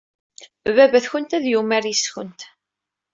Baba-twent ad yumar yes-went.